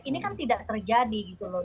ini kan tidak terjadi gitu loh